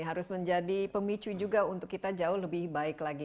harus menjadi pemicu juga untuk kita jauh lebih baik lagi